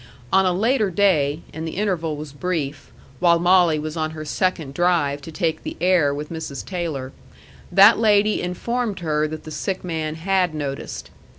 On a later day and the interval was brief while Molly was on her second drive to take the air with Mrs. Taylor, that lady informed her that the sick man had noticed.